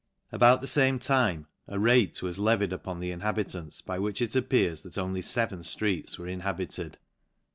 About the fame time, a rate was levied upon the inhabitants, by which it appears that only feven flreets were inhabited.